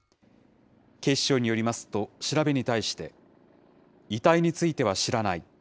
警視庁によりますと、調べに対して、遺体については知らない。